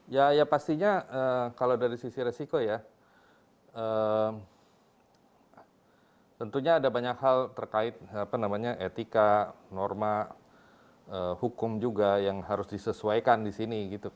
ya ya pastinya kalau dari sisi risiko ya tentunya ada banyak hal terkait apa namanya etika norma hukum juga yang harus disesuaikan disini gitu kan